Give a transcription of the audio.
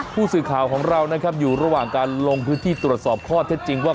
ผู้สื่อข่าวของเรานะครับอยู่ระหว่างการลงพื้นที่ตรวจสอบข้อเท็จจริงว่า